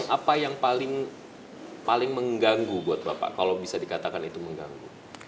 apa yang paling mengganggu buat bapak kalau bisa dikatakan itu mengganggu